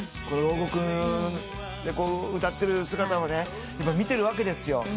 牢獄で歌ってる姿を見てるわけですよ。